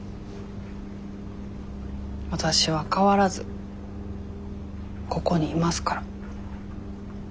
わたしは変わらずここにいますから。